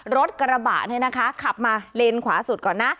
รถกระบะนี่นะคะขับมาเลนขวาสุดก่อนนะ